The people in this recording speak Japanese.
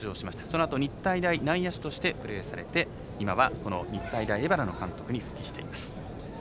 そのあと日体大内野手としてプレーされて今は日体大荏原の監督に復帰しています。